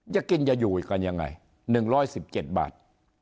จะกินจะอยู่กันอย่างไร๑๑๗บาท